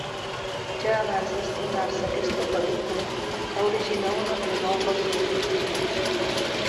Ja abans d'estrenar-se aquesta pel·lícula va originar un enrenou pel seu contingut.